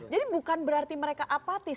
jadi bukan berarti mereka apatis